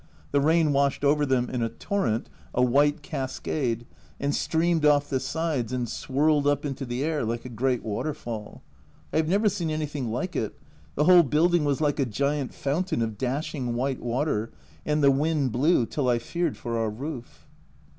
The rain washed over them in a torrent, a white cascade, and streamed off the sides and swirled up into the air like a great waterfall. I have never seen anything like it ; the whole building was like a giant fountain of dash ing white water, and the wind blew till I feared for our roof.